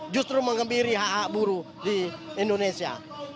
justru mengembiri hak hak buruh di indonesia